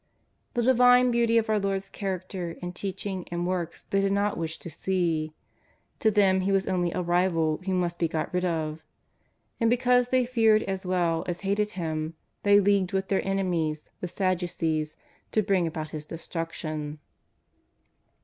The divine beauty of our Lord's character and teaching and works they did not wish to see. To them He was only a rival who must be got rid of. And because they feared as well as hated Him they leagued with their enemies the Sadducees to bring about His destruction.